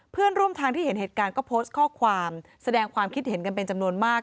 เพื่อนร่วมทางที่เห็นเหตุการณ์ก็โพสต์ข้อความแสดงความคิดเห็นกันเป็นจำนวนมาก